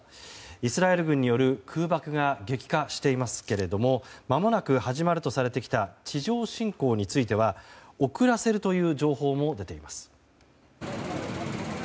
イスラエル軍による空爆が激化していますけれどもまもなく始まるとされてきた地上侵攻については遅らせるという情報も出ています。